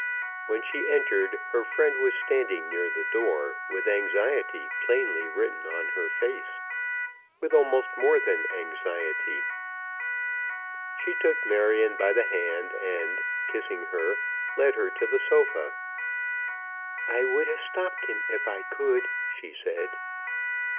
When she entered, her friend was standing near the door, with anxiety plainly written on her face, with almost more than anxiety. She took Marion by the hand and, kissing her, led her to the sofa. "I would have stopped him if I could," she said.